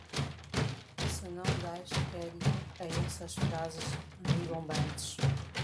Se não dais crédito a essas frases ribombantes